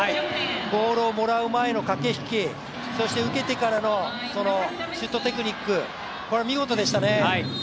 ボールをもらう前の駆け引き受けてからのシュートテクニック、これは見事でしたね。